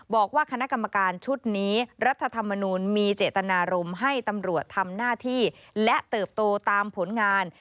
บอกว่าคณะกรรมการชุดนี้รัฐธรรมนูลมีเจตนารมณ์ให้ตำรวจทำหน้าที่และเติบโตตามผลงาน